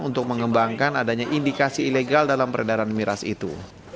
untuk mengembangkan adanya indikasi ilegal dalam peredaran miras itu